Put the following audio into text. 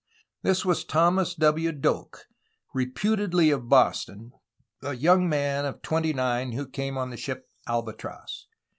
This was Thomas W. Doak, reputedly of Boston, a young man of twenty nine, who came on the ship Albatross.